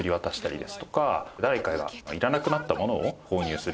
誰かがいらなくなったものを購入する。